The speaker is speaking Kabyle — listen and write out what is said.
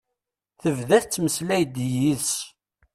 Tebda tettmeslay d yid-s.